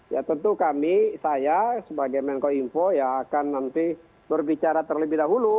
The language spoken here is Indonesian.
ya tentu kami saya sebagai menko info ya akan nanti berbicara terlebih dahulu